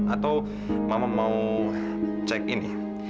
atau mama mau cek ini